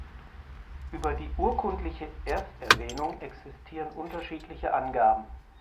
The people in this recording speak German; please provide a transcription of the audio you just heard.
Über die urkundliche Ersterwähnung existieren unterschiedliche Angaben.